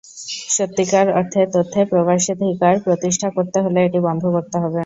সত্যিকার অর্থে তথ্যে প্রবেশাধিকার প্রতিষ্ঠা করতে হলে এটি বন্ধ করতে হবে।